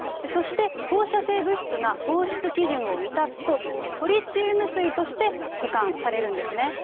そして放射性物質が放出基準を満たすと、トリチウム水として保管されるんですね。